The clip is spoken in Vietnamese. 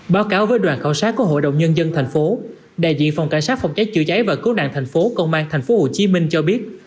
báo cáo với đoàn khảo sát của hnthh đại diện phòng cảnh sát phòng cháy chữa cháy và cố nạn thành phố công an thành phố hồ chí minh cho biết